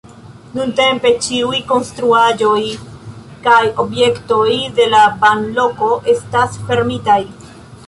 Nuntempe ĉiuj konstruaĵoj kaj objektoj de la banloko estas fermitaj.